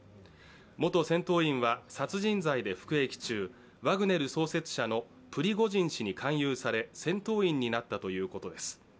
元戦闘員は殺人罪で服役中、ワグネル創設者のプリゴジン氏に勧誘され戦闘員になったということです。